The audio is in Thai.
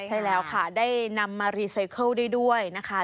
ใช่แล้วค่ะได้นำมารีไซเคิลได้ด้วยนะคะ